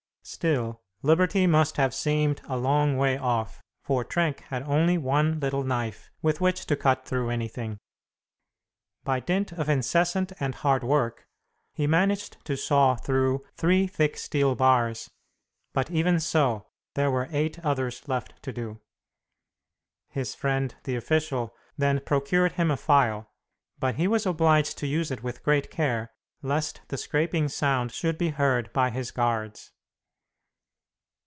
Still, liberty must have seemed a long way off, for Trenck had only one little knife with which to cut through anything. By dint of incessant and hard work, he managed to saw through three thick steel bars, but even so, there were eight others left to do. His friend the official then procured him a file, but he was obliged to use it with great care, lest the scraping sound should be heard by his guards.